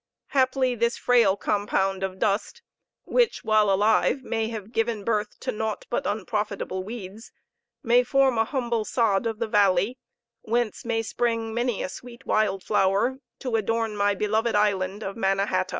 Haply this frail compound of dust, which while alive may have given birth to naught but unprofitable weeds, may form a humble sod of the valley, whence may spring many a sweet wild flower, to adorn my beloved island of Mannahata!